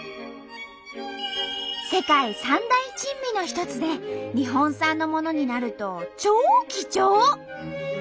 世界三大珍味の一つで日本産のものになると超貴重！